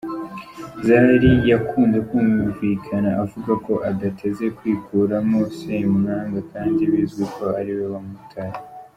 Zari yakunze kumvikana avuga ko adateze kwikuramo Ssemwanga kandi bizwi ko ari we wamutaye.